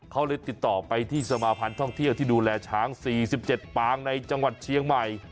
เขาเลยติดต่อไปที่สมาพันธ์ท่องเที่ยวที่ดูแลช้าง๔๗ปางในจังหวัดเชียงใหม่